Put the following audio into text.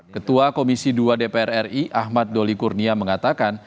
ketua komisi dua dpr ri ahmad doli kurnia mengatakan